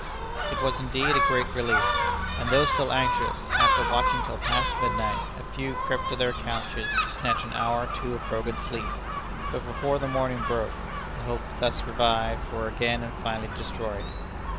It was indeed a great relief; and though still anxious, after watching till past midnight, a few crept to their couches, to snatch an hour or two of broken sleep. But before the morning broke, the hopes thus revived were again and finally destroyed.